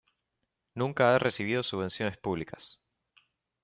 Nunca ha recibido subvenciones públicas.